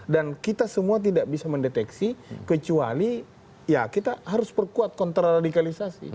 dan kita semua tidak bisa mendeteksi kecuali ya kita harus perkuat kontraradikalisasi